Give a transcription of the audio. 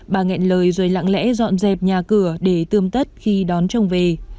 bà nghẹn lời rồi lặng lẽ dọn dẹp nhà cửa để tươm tất khi đón chồng về